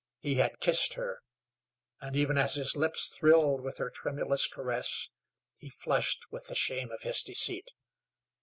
He had kissed her, and even as his lips thrilled with her tremulous caress he flushed with the shame of his deceit.